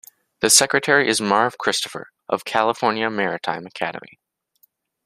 The secretary is Marv Christopher of California Maritime Academy.